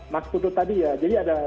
mas putut tadi ya jadi ada